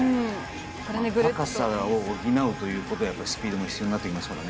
高さを担うということとスピードが必要になってきますからね。